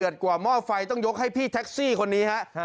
เดือดกว่าหม้อไฟต้องยกให้พี่แท็กซี่คนนี้ครับ